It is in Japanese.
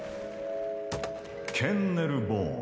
ケンネルボーン。